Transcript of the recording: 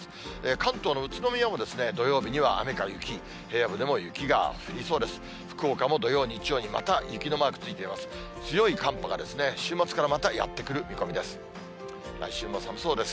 関東の宇都宮も土曜日には雨か雪、平野部でも雪が降りそうです。